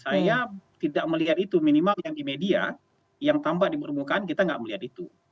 saya tidak melihat itu minimal yang di media yang tambah di permukaan kita tidak melihat itu